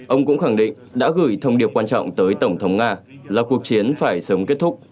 ông cũng khẳng định đã gửi thông điệp quan trọng tới tổng thống nga là cuộc chiến phải sớm kết thúc